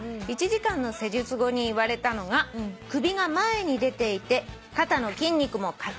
「１時間の施術後に言われたのが『首が前に出ていて肩の筋肉も硬いです』でした」